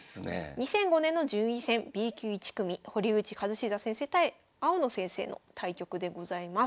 ２００５年の順位戦Ｂ級１組堀口一史座先生対青野先生の対局でございます。